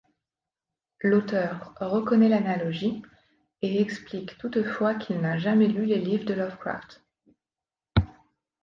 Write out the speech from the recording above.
L’auteur reconnaît l’analogie, et explique toutefois qu’il n’a jamais lu les livres de Lovecraft.